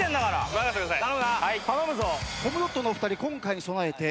任せてください。